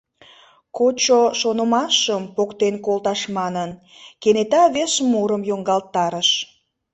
Кочо шонымашым поктен колташ манын, кенета вес мурым йоҥгалтарыш.